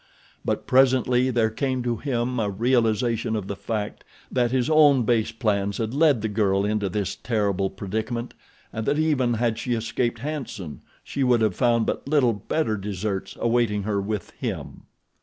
But presently there came to him a realization of the fact that his own base plans had led the girl into this terrible predicament, and that even had she escaped "Hanson" she would have found but little better deserts awaiting her with him.